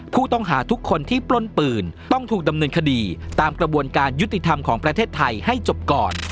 ผู้ต้องหาทุกคนที่ปล้นปืนต้องถูกดำเนินคดีตามกระบวนการยุติธรรมของประเทศไทยให้จบก่อน